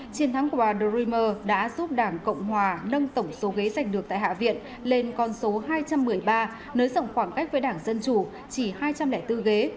chiến thắng của bà dreimer đã giúp đảng cộng hòa nâng tổng số ghế giành được tại hạ viện lên con số hai trăm một mươi ba nới rộng khoảng cách với đảng dân chủ chỉ hai trăm linh bốn ghế